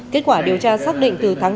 kết quả điều tra xác định từ tháng năm